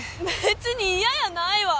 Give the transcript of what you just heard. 別にいややないわ。